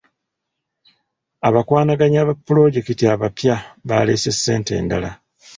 Abakwanaganya ba pulojekiti abapya baleese ssente endala.